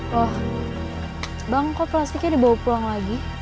loh bang kok plastiknya dibawa pulang lagi